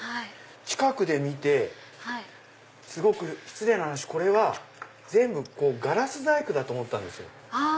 近くで見てすごく失礼な話これは全部ガラス細工だと思ったんですよ。